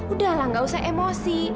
udah lah nggak usah emosi